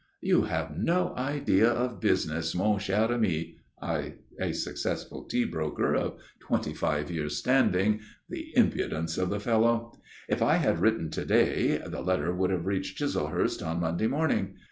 "You have no idea of business, mon cher ami" (I a successful tea broker of twenty five years' standing! the impudence of the fellow!) "If I had written to day, the letter would have reached Chislehurst on Monday morning.